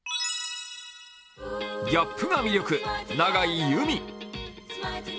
ギャップが魅力、永井結海。